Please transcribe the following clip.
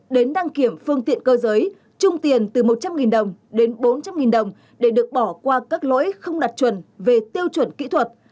đến đăng kiểm phương tiện cơ giới trung tiền từ một trăm linh đồng đến bốn trăm linh đồng để được bỏ qua các lỗi không đặt chuẩn về tiêu chuẩn kỹ thuật